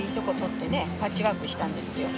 パッチワークしたんですよ。